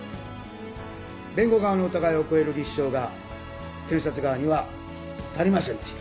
弁護側の疑いを超える立証が検察側には足りませんでした。